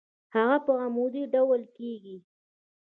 هغه په عمودي ډول کیږدئ.